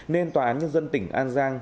nên tòa án nhân dân tỉnh an giang